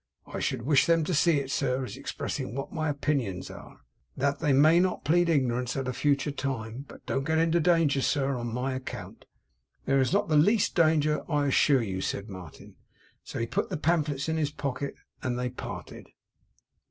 I should wish them to see it, sir, as expressing what my opinions air. That they may not plead ignorance at a future time. But don't get into danger, sir, on my account!' 'There is not the least danger, I assure you,' said Martin. So he put the pamphlets in his pocket, and they parted.